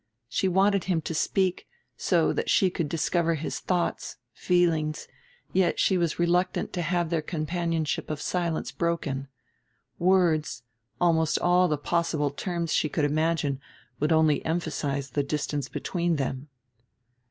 She wanted him to speak, so that she could discover his thoughts, feelings; yet she was reluctant to have their companionship of silence broken: words, almost all the possible terms she could imagine, would only emphasize the distance between them.